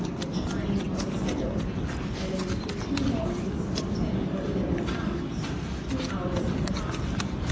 A Chine or Saddle. i.e. the two loins, of ten or eleven pounds two hours and a half.